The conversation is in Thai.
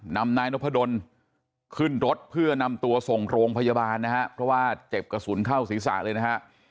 นำนายนพดลขึ้นรถเพื่อนำตัวส่งโรงพยาบาลนะฮะเพราะว่าเจ็บกระสุนเข้าศีรษะเลยนะฮะ